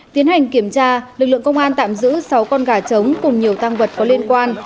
tiến hành kiểm tra lực lượng công an tạm giữ sáu con gà trống cùng nhiều tăng vật có liên quan